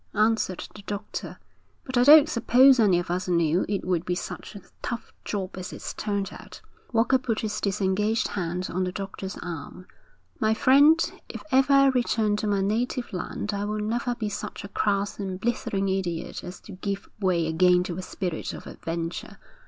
answered the doctor. 'But I don't suppose any of us knew it would be such a tough job as it's turned out.' Walker put his disengaged hand on the doctor's arm. 'My friend, if ever I return to my native land I will never be such a crass and blithering idiot as to give way again to a spirit of adventure.